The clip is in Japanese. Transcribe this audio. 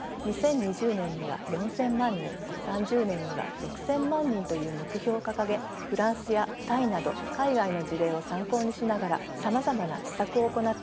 ２０２０年には４，０００万人３０年には６，０００万人という目標を掲げフランスやタイなど海外の事例を参考にしながらさまざまな施策を行っています。